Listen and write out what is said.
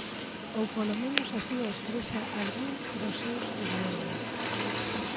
Ou polo menos así o expresa algún dos seus ideólogos.